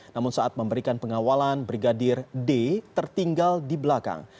namun saat memberikan pengawalan brigadir d tertinggal di belakang